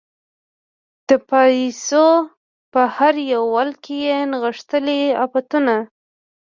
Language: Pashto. د پایڅو په هر یو ول کې یې نغښتلي عفتونه